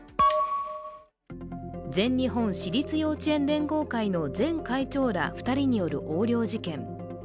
全日本私立幼稚園連合会の前会長ら２人による横領事件。